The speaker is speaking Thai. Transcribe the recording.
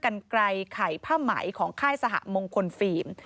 กันไกลไข่ผ้าไหมของค่ายสหมงคลฟิล์ม